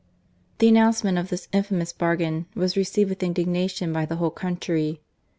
The announcement of this infamous bargain was received with indignation by the whole country.